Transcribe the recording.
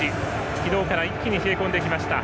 昨日から一気に冷え込んできました。